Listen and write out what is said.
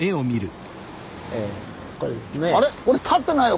これですね。